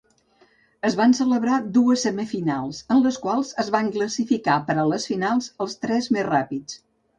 Es van celebrar dues semifinals, en les quals es van classificar per a les finals els tres més ràpids.